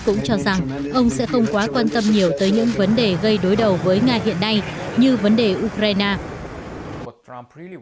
cũng cho rằng ông sẽ không quá quan tâm nhiều tới những vấn đề gây đối đầu với nga hiện nay như vấn đề ukraine